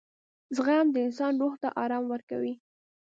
• زغم د انسان روح ته آرام ورکوي.